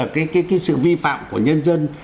cái sự vi phạm của nhân dân